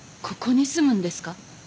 ここに住むんですか？